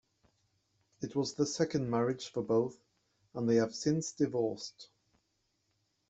It was the second marriage for both, and they have since divorced.